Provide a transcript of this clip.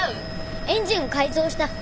エンジンを改造した。